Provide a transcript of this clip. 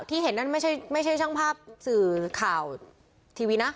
เห็นนั่นไม่ใช่ช่างภาพสื่อข่าวทีวีนะ